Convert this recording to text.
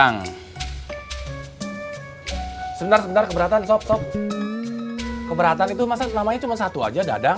nanti kamu gak kebagian pizza tuh